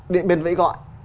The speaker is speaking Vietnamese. điện biên vĩ gọi